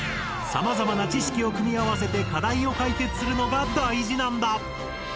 さまざまな知識を組み合わせて課題を解決するのが大事なんだ。